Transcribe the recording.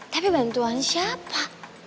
tapi bantuan siapa